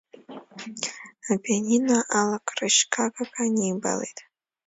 Апианино алакрышь гагак аанибалеит.